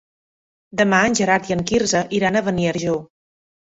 Demà en Gerard i en Quirze iran a Beniarjó.